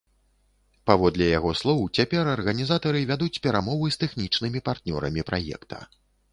Паводле яго слоў, цяпер арганізатары вядуць перамовы з тэхнічнымі партнёрамі праекта.